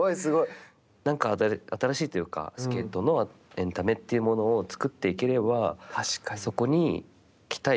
なんか新しいというか、スケートのエンタメというものを作っていければ、そこに来たい